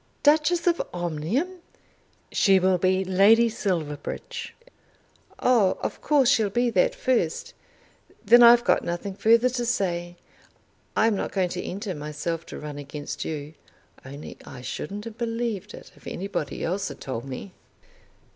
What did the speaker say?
"Duchess of Omnium!" "She will be Lady Silverbridge." "Oh; of course she'll be that first. Then I've got nothing further to say. I'm not going to enter myself to run against you. Only I shouldn't have believed it if anybody else had told me."